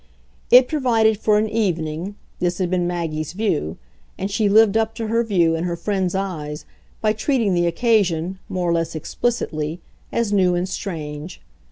It provided for an evening this had been Maggie's view; and she lived up to her view, in her friend's eyes, by treating the occasion, more or less explicitly, as new and strange.